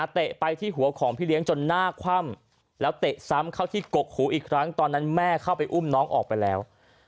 เตะไปที่หัวของพี่เลี้ยงจนหน้าคว่ำแล้วเตะซ้ำเข้าที่กกหูอีกครั้งตอนนั้นแม่เข้าไปอุ้มน้องออกไปแล้ว